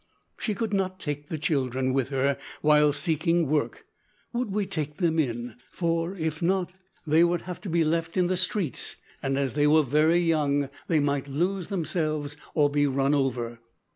She could not take the children with her while seeking work Would we take them in? for, if not, they would have to be left in the streets, and as they were very young they might lose themselves or be run over.